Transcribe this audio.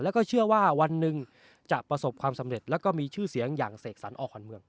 แล้วก็เชื่อว่าวันหนึ่งจะประสบความสำเร็จแล้วก็มีชื่อเสียงอย่างเสกสรรออกขวัญเมือง